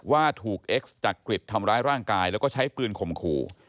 ว่าถูกเอ็กซ์จักริตทำร้ายร่างกายแล้วก็ใช้ปืนข่มขู่